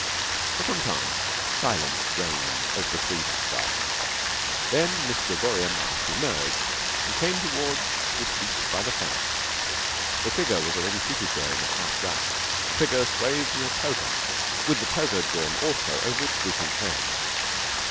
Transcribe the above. ] For some time silence reigned over the three back gardens. Then Miss Gregoria Mush emerged and came towards the seat by the fence. A figure was already seated there in the half dusk, a figure swathed in a toga with the toga drawn also over its drooping head.